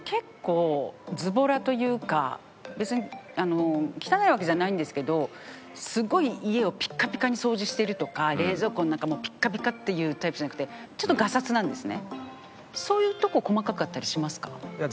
別に汚いわけじゃないんですけどすごい家をピッカピカに掃除してるとか冷蔵庫の中もピッカピカっていうタイプじゃなくてそういうとこ細かかったりしますか？